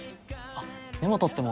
あっメモとっても？